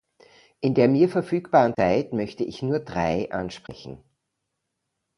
In der mir verfügbaren Zeit möchte ich nur drei ansprechen.